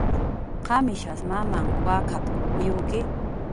"¿Qamishas mamam wakap"" uywki?"